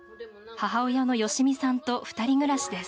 母親の芳美さんと２人暮らしです。